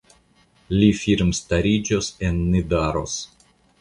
Li firmstariĝos en Nidaros.